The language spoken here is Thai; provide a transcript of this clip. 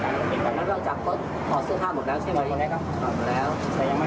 แล้วเราจับก็ออกเสื้อท่าหมดแล้วใช่ไหม